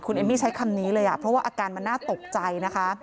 เอมมี่ใช้คำนี้เลยเพราะว่าอาการมันน่าตกใจนะคะ